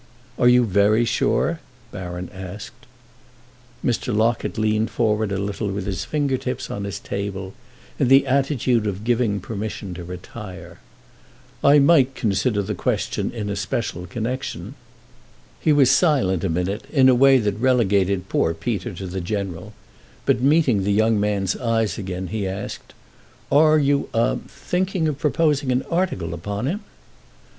"Are you very sure?" Baron asked. Mr. Locket leaned forward a little, with his fingertips on his table, in the attitude of giving permission to retire. "I might consider the question in a special connection." He was silent a minute, in a way that relegated poor Peter to the general; but meeting the young man's eyes again he asked: "Are you—a—thinking of proposing an article upon him?"